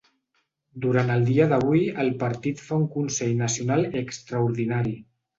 Durant el dia d’avui el partit fa un consell nacional extraordinari.